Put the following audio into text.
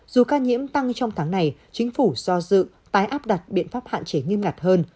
dù ca nhiễm tăng trong tháng này chính phủ do dự tái áp đặt biện pháp hạn chế nghiêm ngặt hơn